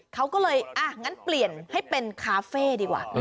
เค้าก็เลยงั้นเปลี่ยนให้เป็นแคฟ่ดีกว่า